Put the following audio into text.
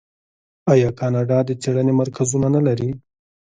آیا کاناډا د څیړنې مرکزونه نلري؟